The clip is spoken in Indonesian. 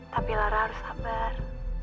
tapi lara harus sabar